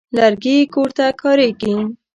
لرګي کور ته کارېږي.